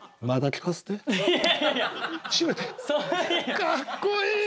かっこいいね！